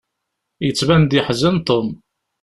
Yettban-d yeḥzen Tom.